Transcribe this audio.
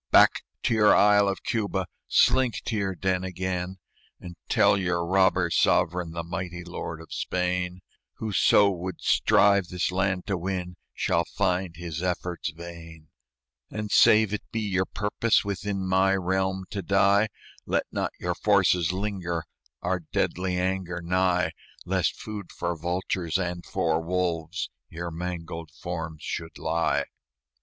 "Back to your isle of Cuba! Slink to your den again, And tell your robber sovereign, The mighty lord of Spain, Whoso would strive this land to win Shall find his efforts vain. "And, save it be your purpose Within my realm to die, Let not your forces linger Our deadly anger nigh, Lest food for vultures and for wolves Your mangled forms should lie."